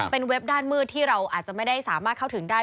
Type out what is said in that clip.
เป็นเว็บด้านมืดที่เราอาจจะไม่ได้สามารถเข้าถึงได้